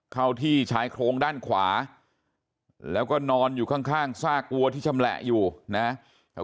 เข้าที่ชายโครงด้านขวาแล้วก็นอนอยู่ข้างซากวัวที่ชำแหละอยู่นะ